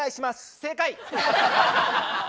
正解。